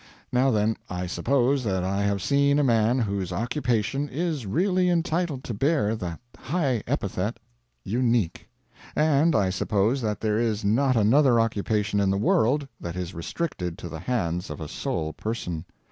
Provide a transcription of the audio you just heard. Now then, I suppose that I have seen a man whose occupation is really entitled to bear that high epithet unique. And I suppose that there is not another occupation in the world that is restricted to the hands of a sole person.